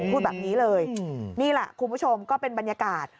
พูดแบบนี้เลยนี่แหละคุณผู้ชมก็เป็นบรรยากาศ